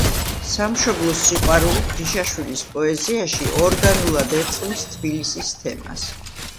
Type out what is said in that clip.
სამშობლოს სიყვარული გრიშაშვილის პოეზიაში ორგანულად ერწყმის თბილისის თემას.